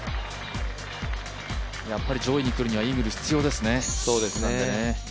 やっぱり上位にくるにはイーグル必要ですね。